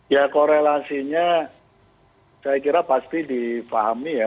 ya korelasinya saya kira pasti difahami ya